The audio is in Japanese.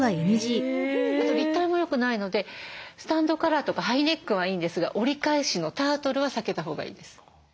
あと立体もよくないのでスタンドカラーとかハイネックはいいんですが折り返しのタートルは避けたほうがいいです。